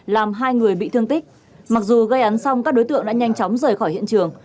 làm hai người bị thương tích mặc dù gây án xong các đối tượng đã nhanh chóng rời khỏi hiện trường